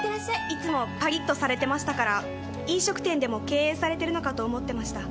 いつもパリッとされてましたから飲食店でも経営されてるのかと思ってました。